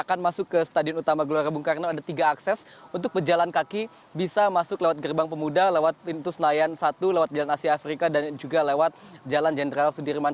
ada tiga akses untuk berjalan kaki bisa masuk lewat gerbang pemuda lewat pintu senayan satu lewat jalan asia afrika dan juga lewat jalan jenderal sudirman